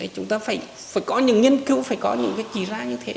chúng ta phải có những nghiên cứu phải có những chỉ ra như thế